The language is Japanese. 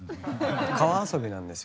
川遊びなんですよ。